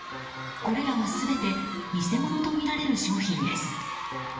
これらは全て偽物とみられる商品です。